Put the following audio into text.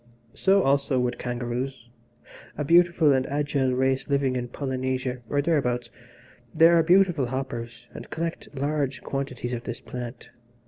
So, also, would kangaroos, a beautiful and agile race living in Polynesia, or thereabouts they are beautiful hoppers, and collect large quantities of this plant.